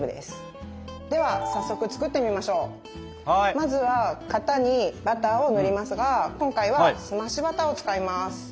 まずは型にバターを塗りますが今回は「澄ましバター」を使います。